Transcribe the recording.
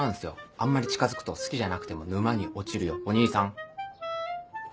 あんまり近づくと好きじゃなくても沼に落ちるよお義兄さん。